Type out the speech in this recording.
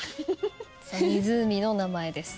湖の名前です。